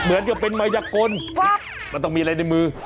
เหมือนกับเป็นมายกลมันต้องมีอะไรในมือ